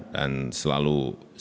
dan selalu berkembang